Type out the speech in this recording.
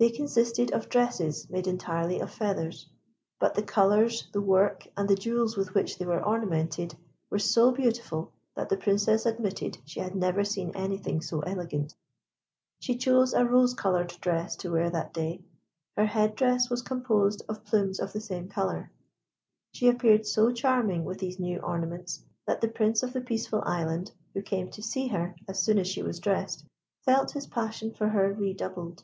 They consisted of dresses made entirely of feathers; but the colours, the work, and the jewels with which they were ornamented were so beautiful, that the Princess admitted she had never seen anything so elegant. She chose a rose coloured dress to wear that day. Her head dress was composed of plumes of the same colour. She appeared so charming with these new ornaments, that the Prince of the Peaceful Island, who came to see her as soon as she was dressed, felt his passion for her redoubled.